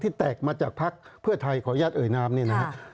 แตกมาจากภักดิ์เพื่อไทยขออนุญาตเอ่ยนามเนี่ยนะครับ